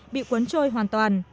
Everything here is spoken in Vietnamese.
bị cuốn trôi hoàn toàn